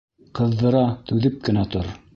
Ҡыҙҙыра, түҙеп кенә тор.